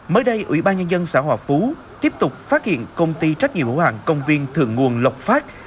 mới đây ủy ban nhân dân xã hòa phú tiếp tục phát hiện công ty trách nhiệm hữu hàng công viên thượng nguồn lộc phát